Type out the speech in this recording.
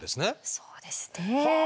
そうですね。はあ。